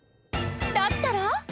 だったら？